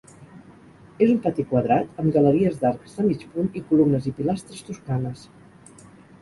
És un pati quadrat amb galeries d'arcs de mig punt i columnes i pilastres toscanes.